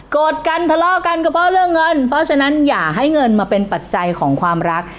กันทะเลาะกันก็เพราะเรื่องเงินเพราะฉะนั้นอย่าให้เงินมาเป็นปัจจัยของความรัก